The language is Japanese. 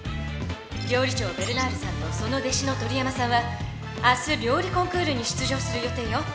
料理長ベルナールさんとその弟子の鳥山さんは明日料理コンクールに出場する予定よ。